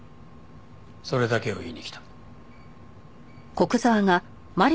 それだけを言いに来た。